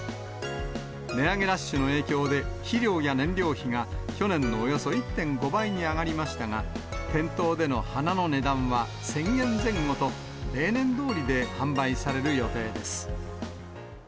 値上げラッシュの影響で、肥料や燃料費が去年のおよそ１．５倍に上がりましたが、店頭での花の値段は１０００円前後と、例年どおりで販売される予定です。